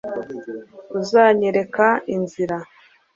uzanyereka inzira